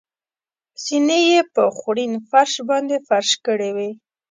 زېنې یې په خوړین فرش باندې فرش کړې وې.